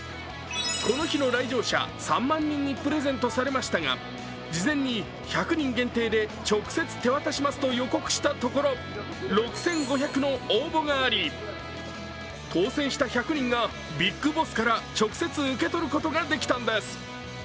この日の来場者３万人にプレゼントされましたが、事前に１００人限定で直接手渡しますと予告したところ６５００の応募があり、当選した１００人がＢＩＧＢＯＳＳから直接受け取ることができたんです。